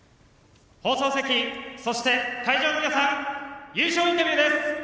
放送席、そして会場の皆さん優勝インタビューです。